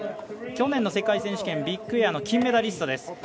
去年の世界選手権ビッグエアの金メダリストです。